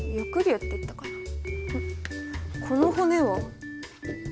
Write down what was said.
この骨は。